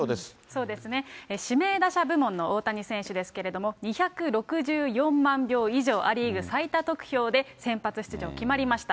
そうですね、指名打者部門の大谷選手ですけれども、２６４万票以上、ア・リーグ最多得票で、先発出場決まりました。